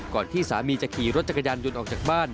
ที่สามีจะขี่รถจักรยานยนต์ออกจากบ้าน